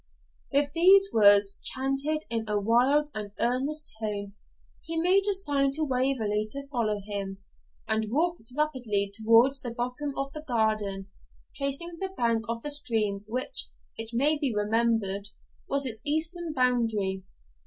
With these words, chanted in a wild and earnest tone, he made a sign to Waverley to follow him, and walked rapidly towards the bottom of the garden, tracing the bank of the stream which, it may be remembered, was its eastern boundary.